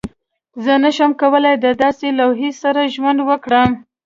زه نشم کولی د داسې لوحې سره ژوند وکړم